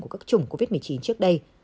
của các chủng covid một mươi chín trước đây